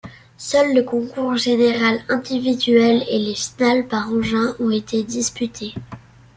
Seul le concours général individuel et les finales par engins ont été disputées.